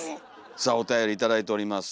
さあおたより頂いております。